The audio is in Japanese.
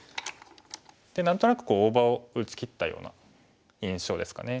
何となく大場を打ちきったような印象ですかね。